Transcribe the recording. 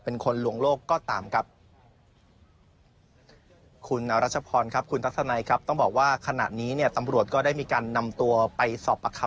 เป็นคนลวงโลกก็ตามครับคุณรัชพรครับคุณทักษณัยครับ